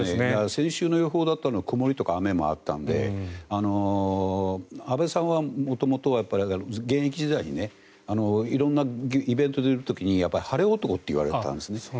先週の予報だと曇りとか雨もあったので安倍さんは元々、現役時代に色んなイベント出る時に晴れ男って言われていたんですね。